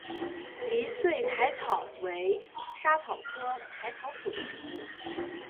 离穗薹草为莎草科薹草属的植物。